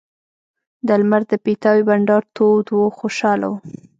د لمر د پیتاوي بنډار تود و خوشاله وو.